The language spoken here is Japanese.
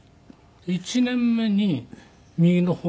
１年目に右の方も。